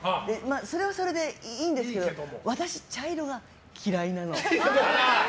それはそれでいいんですけど私、茶色が嫌いなの。